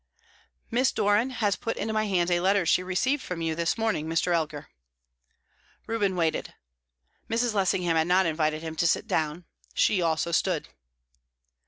"Miss Doran has put into my hands a letter she received from you this morning, Mr. Elgar." Reuben waited. Mrs. Lessingham had not invited him to sit down; she also stood.